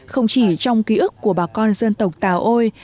không chỉ trong ký ức của bà con dân tộc tà ôi